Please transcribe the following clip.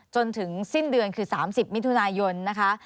จนถึงสิ้นเดือนคือ๓๐มิถุนายนนะคะ